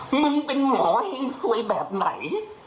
มึงเป็นหมอเฮงซวยแบบไหน